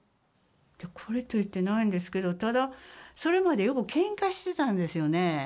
これと言ってないんですけど、ただ、それまでよくけんかしてたんですよね。